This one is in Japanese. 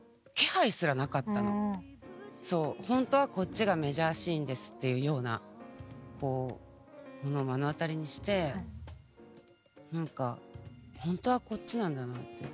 そう本当はこっちがメジャーシーンですっていうようなものを目の当たりにして何か本当はこっちなんだなって。